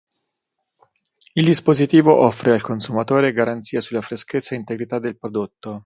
Il dispositivo offre al consumatore garanzia sulla freschezza e integrità del prodotto.